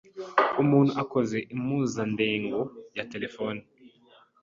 Umuntu akoze impuzandengo ya telefoni